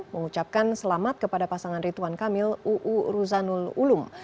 mengucapkan selamat kepada pasangan rituan kamil uu ruzanul ulum